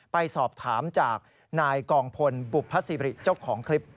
ไปสอบถามจากนายกองพลบุพศิริเจ้าของคลิป